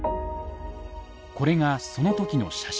これがその時の写真。